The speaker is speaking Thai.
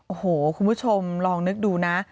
โอ้โหคุณผู้ชมลองนึกดูนะ